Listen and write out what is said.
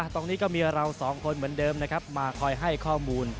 ตรงนี้ก็มีเราสองคนเหมือนเดิมนะครับมาคอยให้ข้อมูล